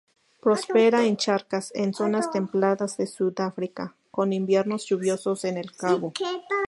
Prospera en charcas, en zonas templadas de Sudáfrica, con inviernos lluviosos, en el Cabo.